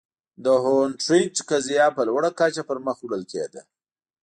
د هونټریج قضیه په لوړه کچه پر مخ وړل کېده.